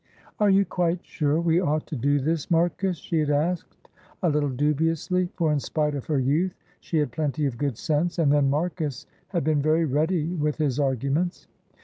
"Are you quite sure we ought to do this, Marcus?" she had asked, a little dubiously, for in spite of her youth she had plenty of good sense, and then Marcus had been very ready with his arguments.